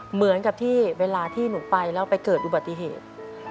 เหมือนกับที่เวลาที่หนูไปแล้วไปเกิดอุบัติเหตุ